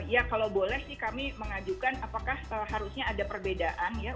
ya kalau boleh sih kami mengajukan apakah harusnya ada perbedaan ya